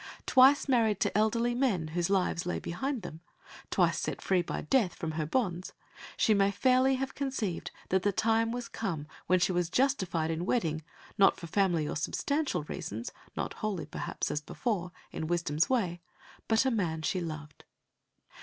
Twice married to elderly men whose lives lay behind them, twice set free by death from her bonds, she may fairly have conceived that the time was come when she was justified in wedding, not for family or substantial reasons, not wholly perhaps, as before, in wisdom's way, but a man she loved.